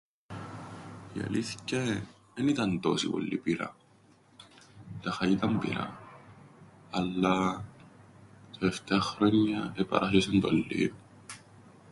Η αλήθκεια εν ήταν τόση πολλή πυρά. Τάχα ήταν πυρά, αλλά... τα τελευταία χρόνια επαράσ̆εσεν το λλίον.